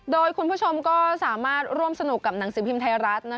โดยคุณผู้ชมก็สามารถร่วมสนุกกับหนังสือพิมพ์ไทยรัฐ